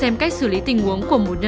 em phải giật mình một tí